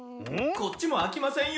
こっちもあきませんよ。